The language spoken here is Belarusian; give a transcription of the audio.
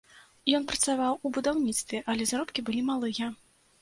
Ён працаваў у будаўніцтве, але заробкі былі малыя.